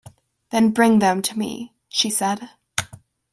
"Then bring them to me," she said.